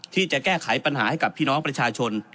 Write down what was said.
ที่จะแก้ไขปัญหาให้กับพี่น้องประชาชน